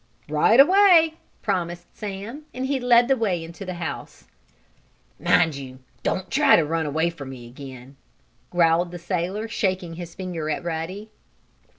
"Right away!" promised Sam, and he led the way into the house. "Mind you don't try to run away from me again!" growled the sailor, shaking his finger at Ruddy.